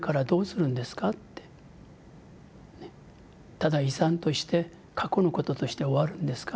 「ただ遺産として過去のこととして終わるんですか？